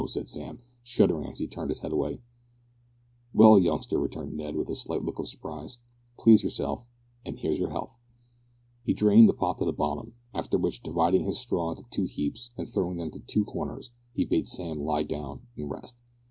said Sam, shuddering as he turned his head away. "Well, youngster," returned Ned, with a slight look of surprise, "please yourself, and here's your health." He drained the pot to the bottom, after which, dividing his straw into two heaps, and throwing them into two corners, he bade Sam lie down and rest.